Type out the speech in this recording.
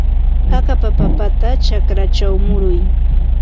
Akapa papata chakrachaw muruy.